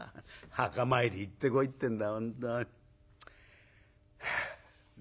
墓参り行ってこいってんだ本当に。はあ」。